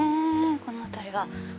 この辺りは。